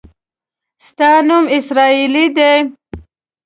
ستا نوم اسراییلي دی.